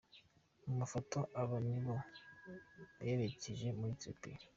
Mu mafoto, aba ni bo berekeje muri Ethiopia.